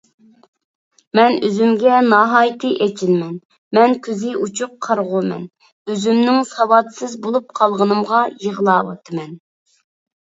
مەن ئۆزۈمگە ناھايىتى ئېچىنىمەن. مەن كۆزى ئوچۇق قارىغۇمەن، ئۆزۈمنىڭ ساۋاتسىز بولۇپ قالغىنىمغا يىغلاۋاتىمەن.